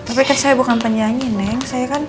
tapi kan saya bukan penyanyi neng